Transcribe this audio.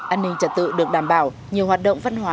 an ninh trật tự được đảm bảo nhiều hoạt động văn hóa